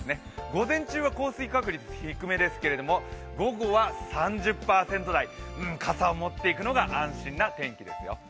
午前中は降水確率低めですけど、午後は３０％台、傘を持っていくのが安心な天気ですよ。